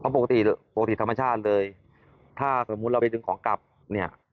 ปกติปกติธรรมชาติเลยถ้าสมมุติเราไปดึงของกลับเนี่ย